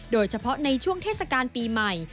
โดยเฉพาะในช่วงเทศกาลปีใหม่